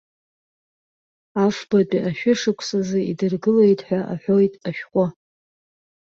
Афбатәи ашәышықәсазы идыргылеит ҳәа аҳәоит ашәҟәы.